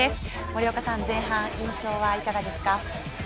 森岡さん前半、印象はいかがですか？